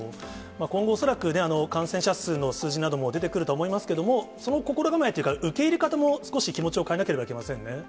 今後、恐らく感染者数の数字なども出てくるとは思いますけども、その心構えというか、受け入れ方も、少し気持ちを変えなければいけませんね。